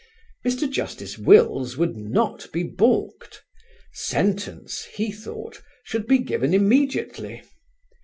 Mr. Justice Wills would not be balked: sentence, he thought, should be given immediately.